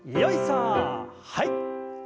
はい。